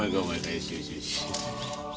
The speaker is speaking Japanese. よしよしよし。